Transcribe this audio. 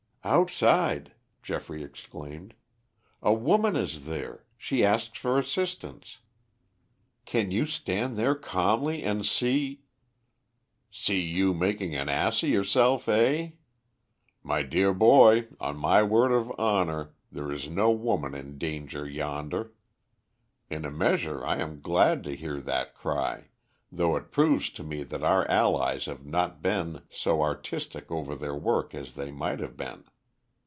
"Outside," Geoffrey exclaimed. "A woman is there. She asks for assistance. Can you stand there calmly and see " "See you making an ass of yourself, eh? My dear boy, on my word of honor there is no woman in danger yonder. In a measure I am glad to hear that cry, though it proves to me that our allies have not been so artistic over their work as they might have been.